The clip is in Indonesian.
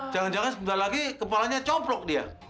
jangan jangan sebentar lagi kepalanya complok dia